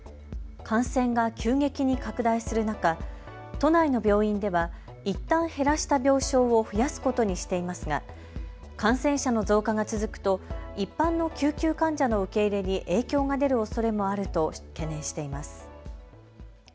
感染が急激に拡大する中、都内の病院ではいったん減らした病床を増やすことにしていますが感染者の増加が続くと一般の救急患者の受け入れに影響が出るおそれもあると懸念しています。